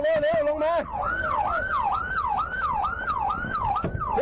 เกิดประตูขึ้น